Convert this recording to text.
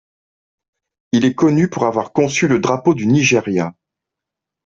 Il est connu pour avoir conçu le drapeau du Nigeria.